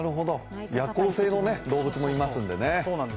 夜行性の動物もいますんでね。